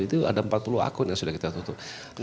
itu ada empat puluh akun yang sudah kita tutup